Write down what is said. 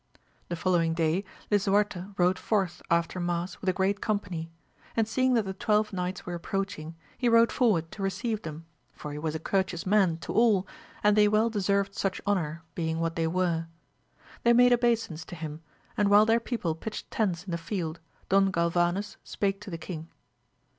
The following day Lisuarte rode forth after mass with a great company, and seeing that the twelve knights were approaching he rode forward to receive them, for he was a courteous man to all, and they well deserved such honour being what they were. They made obeisance to him, and while their people pitched tents in the field Don Galvanes spake to the king.